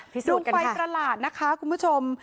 ดวงไฟประหลาดนะคะคุณผู้ชม